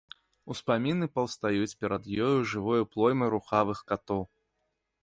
Успаміны паўстаюць перад ёю жывой плоймай рухавых катоў.